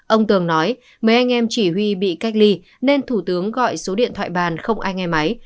ông tường nói mấy anh em chỉ huy bị cách ly nên thủ tướng gọi số điện thoại bàn không ai nghe máy